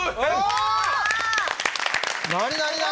何何何？